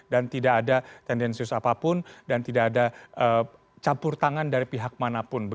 dan tidak ada tendensius apapun dan tidak ada campur tangan dari pihak manapun